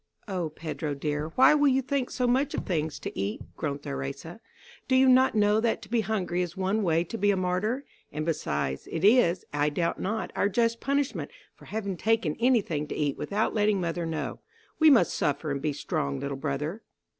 '" "O Pedro, dear, why will you think so much of things to eat," groaned Theresa. "Do you not know that to be hungry is one way to be a martyr. And besides, it is, I doubt not, our just punishment for having taken any thing to eat without letting mother know. We must suffer and be strong, little brother."